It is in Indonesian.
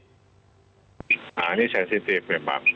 nah ini sensitif memang